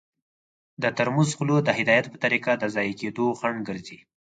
د ترموز خوله د هدایت په طریقه د ضایع کیدو خنډ ګرځي.